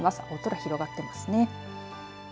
青空、広がっていますね。